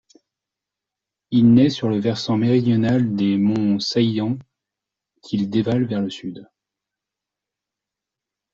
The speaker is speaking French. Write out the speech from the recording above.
Il naît sur le versant méridional des monts Saïan qu'il dévale vers le sud.